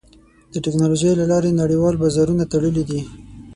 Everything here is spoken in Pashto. د ټکنالوجۍ له لارې نړیوال بازارونه تړلي دي.